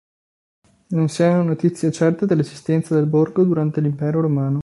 Non si hanno notizie certe dell'esistenza del borgo durante l'Impero Romano.